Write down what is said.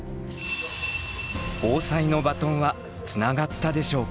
防災のバトンはつながったでしょうか？